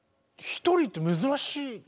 １人って珍しい？